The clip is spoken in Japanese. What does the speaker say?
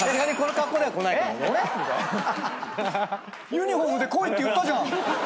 ユニホームで来いって言ったじゃん！